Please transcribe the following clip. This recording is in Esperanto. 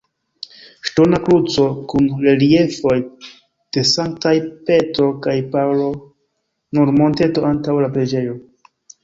Ŝtona kruco kun reliefoj de Sanktaj Petro kaj Paŭlo sur monteto antaŭ la preĝejo.